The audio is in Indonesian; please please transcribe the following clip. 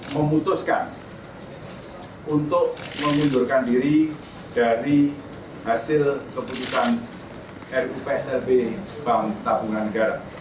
memutuskan untuk memundurkan diri dari hasil kebutuhan rupsrb bank tabungan negara